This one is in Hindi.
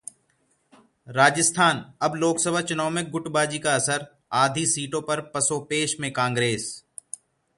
राजस्थान: अब लोकसभा चुनाव में गुटबाजी का असर, आधी सीटों पर पसोपेश में कांग्रेस